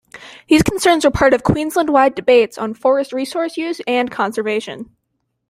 These concerns were part of Queensland-wide debates on forest resource use and conservation.